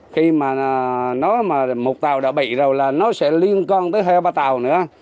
khi mà nó mà một tàu đã bị rồi là nó sẽ liên con tới hai ba tàu nữa